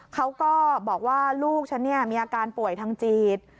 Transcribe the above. เขาก็บอกว่าลูกฉันมีอาการป่วยทางจิต